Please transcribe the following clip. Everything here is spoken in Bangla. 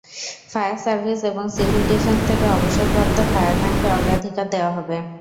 ফায়ার সার্ভিস এবং সিভিল ডিফেন্স থেকে অবসরপ্রাপ্ত ফায়ারম্যানকে অগ্রাধিকার দেওয়া হবে।